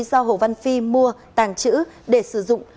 do hồ văn phi mua tàng trữ để sử dụng